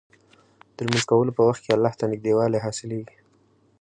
د لمونځ کولو په وخت کې الله ته نږدېوالی حاصلېږي.